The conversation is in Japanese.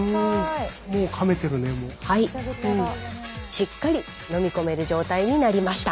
しっかり飲み込める状態になりました。